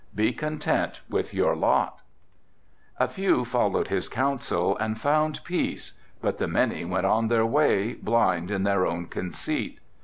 "Be content with your lot." "A few followed his counsel and found peace, but the many went on their way, blind in their own conceit.